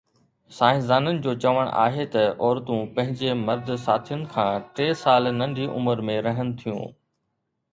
سائنسدانن جو چوڻ آهي ته عورتون پنهنجي مرد ساٿين کان ٽي سال ننڍي عمر ۾ رهن ٿيون